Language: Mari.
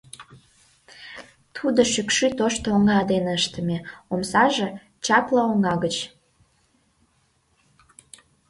Тудо шӱкшӧ тошто оҥа дене ыштыме, омсаже — чапле оҥа гыч.